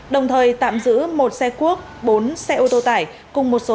đồng thời tạm giữ một xe quốc bốn xe ô tô tải cùng một số dự án